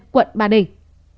quận ba đình